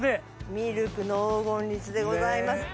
「みるくの黄金律」でございます。